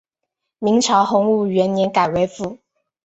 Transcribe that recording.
明朝洪武元年改为府。